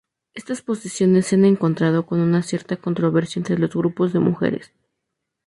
Estas posiciones se han encontrado con una cierta controversia entre los grupos de mujeres.